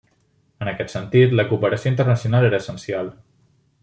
En aquest sentit, la cooperació internacional era essencial.